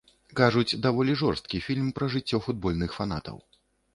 Кажуць, даволі жорсткі фільм пра жыццё футбольных фанатаў.